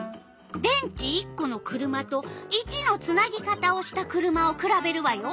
電池１この車と①のつなぎ方をした車をくらべるわよ。